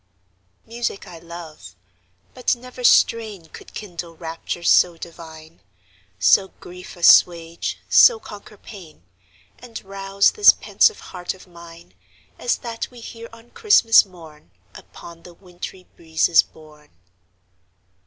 Music I love but never strain Could kindle raptures so divine, So grief assuage, so conquer pain, And rouse this pensive heart of mine As that we hear on Christmas morn, Upon the wintry breezes borne.